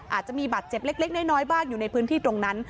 อาจจะมีบาดเจ็บเล็กน้อยบ้างอยู่ในพื้นที่ตรงนั้น